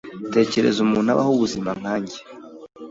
Tekereza umuntu abaho ubuzima nkanjye